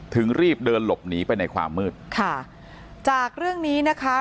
รีบเดินหลบหนีไปในความมืดค่ะจากเรื่องนี้นะคะ